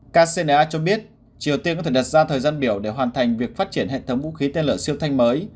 kcna cho biết triều tiên có thể đặt ra thời gian biểu để hoàn thành việc phát triển hệ thống vũ khí tên lửa siêu thanh mới